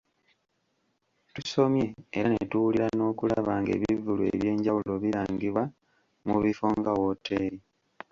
Tusomye era ne tuwulira n’okulaba ng’ebivvulu eby’enjawulo birangibwa mu bifo nga wooteeri.